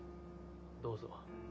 どうぞ。